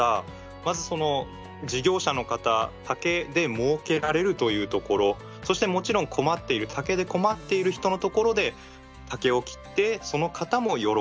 まず事業者の方だけでもうけられるというところそしてもちろん竹で困っている人のところで竹を切ってその方も喜ぶと。